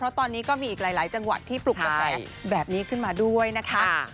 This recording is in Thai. เพราะตอนนี้ก็มีอีกหลายจังหวัดที่ปลุกกระแสแบบนี้ขึ้นมาด้วยนะคะ